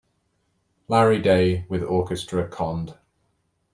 Larry Day with orchestra Cond.